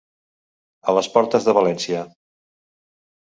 A les portes de València.